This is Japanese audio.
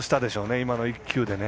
今の１球で。